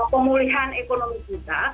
pemulihan ekonomi kita